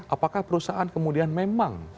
apakah perusahaan kemudian memang